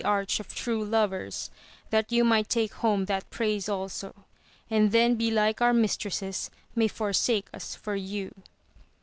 Arch of True Lovers, that you might take home that praise also, and then belike our mistresses may for sake us for you.